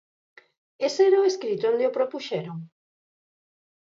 ¿Ese era o escrito onde o propuxeron?